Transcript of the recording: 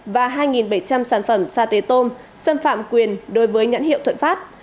và hai bảy trăm linh sản phẩm xa tế tôm xâm phạm quyền đối với nhãn hiệu thuận pháp